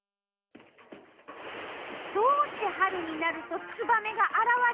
どうして春になるとツバメがあらわれるのか。